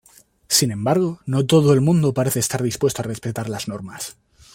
Sin embargo, no todo el mundo parece estar dispuesto a respetar las normas.